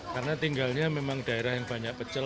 karena tinggalnya memang daerah yang banyak pecol